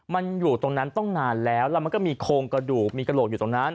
มันอยู่ตรงนั้นต้องนานแล้วแล้วมันก็มีโครงกระดูกมีกระโหลกอยู่ตรงนั้น